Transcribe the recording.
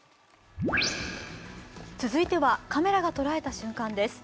続いてはカメラが捉えた瞬間です。